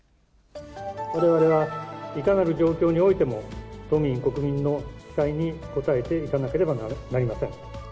われわれはいかなる状況においても、都民、国民の期待に応えていかなければなりません。